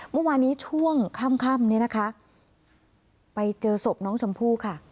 เมื่อวานนี้ช่วงค่ำเนี่ยนะคะไปเจอศพน้องชมพู่ค่ะ